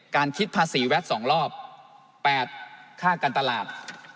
๗การคิดภาษีแวด๒รอบ๘ค่ากันตลาด